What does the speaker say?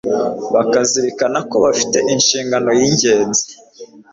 bakazirikana ko bafite inshingano yingenzi